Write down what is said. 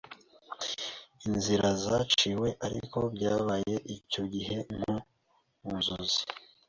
inzira zaciwe ariko byabaye icyo gihe nko mu nzozi."